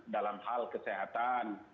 dalam hal kesehatan